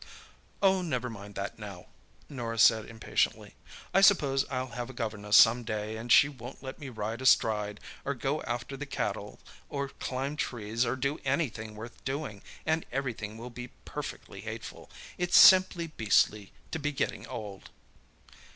"Oh, never mind that now," Norah said impatiently. "I suppose I'll have a governess some day, and she won't let me ride astride, or go after the cattle, or climb trees, or do anything worth doing, and everything will be perfectly hateful. It's simply beastly to be getting old!"